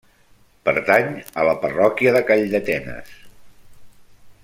Pertany a la parròquia de Calldetenes.